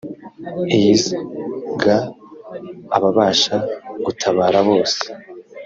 is ga ababasha gutabara bose